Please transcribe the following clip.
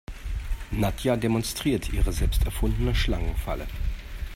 Nadja demonstriert ihre selbst erfundene Schlangenfalle.